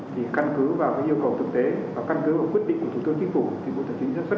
thì căn cứ vào cái yêu cầu thực tế và căn cứ vào quyết định của thủ tướng chính phủ thì bộ tài chính sẽ xuất